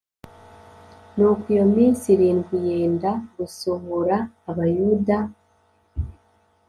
Nuko iyo minsi irindwi yenda gusohora abayuda